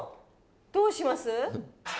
どうします？